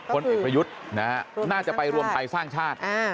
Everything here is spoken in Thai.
เอกประยุทธ์น่าจะไปรวมไทยสร้างชาติ